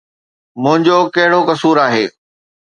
منهنجو ڪهڙو قصور آهي؟